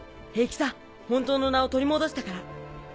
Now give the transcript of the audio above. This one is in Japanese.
平気さ本当の名を取り戻したから。